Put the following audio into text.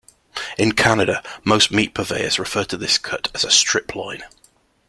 In Canada, most meat purveyors refer to this cut as a strip loin.